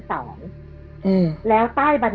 คือเรื่องนี้มัน